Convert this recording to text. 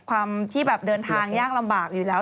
ความที่แบบเดินทางยากลำบากอยู่แล้ว